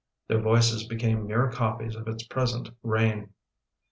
Their voices became mere copies of its past reign.